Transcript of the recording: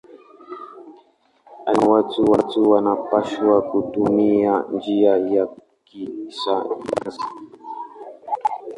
Alisema watu wanapaswa kutumia njia ya kisayansi.